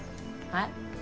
はい？